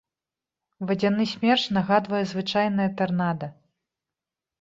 Вадзяны смерч нагадвае звычайнае тарнада.